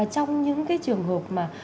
trong những cái trường hợp mà